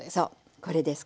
これです